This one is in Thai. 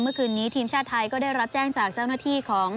เมื่อคืนนี้ทีมชาติไทยก็ได้รับแจ้งจากเจ้าหน้าที่ของ